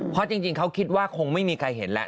เพราะจริงเขาคิดว่าคงไม่มีใครเห็นแล้ว